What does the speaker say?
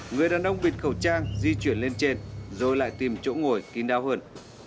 người đàn ông bịt khẩu trang di chuyển lên trên rồi lại tìm chỗ ngồi kín đáo hơn